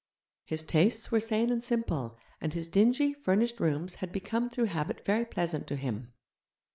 His tastes were sane and simple, and his dingy, furnished rooms had become through habit very pleasant to him.